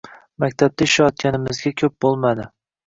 Maktabda ishlayotganimizga ko‘p bo‘lmadi.